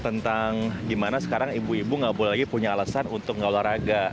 tentang gimana sekarang ibu ibu nggak boleh lagi punya alasan untuk gak olahraga